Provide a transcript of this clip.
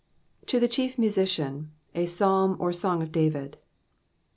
To the Chief Musician, a Psalm or Song of David.